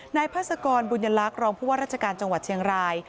นายพาสกรบุญลักษณ์รองผู้ว่าราชการจังหวัดเชียงราย